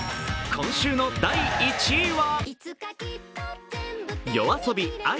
今週の第１位は？